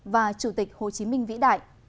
và chủ tịch hồ chí minh vĩ đại